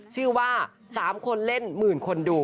ชื่อว่า๓คนเล่นหมื่นคนดู